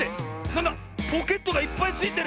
なんだポケットがいっぱいついてる！